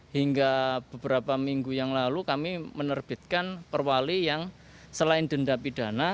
hingga beberapa minggu yang lalu kami menerbitkan perwali yang selain denda pidana